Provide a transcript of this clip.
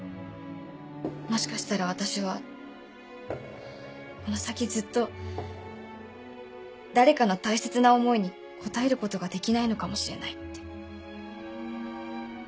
もしかしたら私はこの先ずっと誰かの大切な思いに応えることができないのかもしれないって。